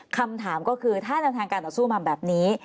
คำถามก็คือถ้าแนวทางการต่อสู้มาแบบนี้